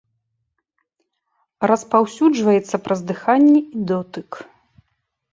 Распаўсюджваецца праз дыханне і дотык.